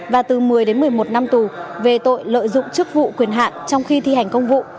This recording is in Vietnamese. và từ một mươi đến một mươi một năm tù về tội lợi dụng chức vụ quyền hạn trong khi thi hành công vụ